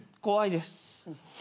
怖いです。